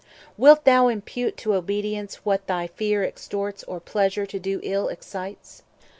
Wilt thou impute to obedience what thy fear Extorts, or pleasure to do ill excites?